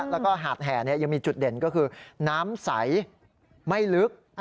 แล้วก็หาดแห่ยังมีจุดเด่นก็คือน้ำใสไม่ลึก